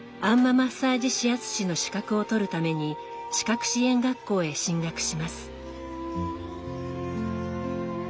マッサージ指圧師の資格を取るために視覚支援学校へ進学します。